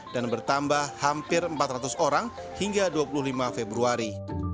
dan bertambah hampir empat ratus orang hingga dua puluh lima februari